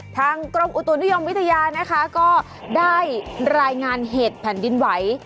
กรมอุตุนิยมวิทยานะคะก็ได้รายงานเหตุแผ่นดินไหว